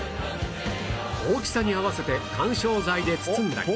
大きさに合わせて緩衝材で包んだり